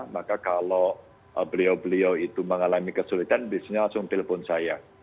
maka kalau beliau beliau itu mengalami kesulitan biasanya langsung telepon saya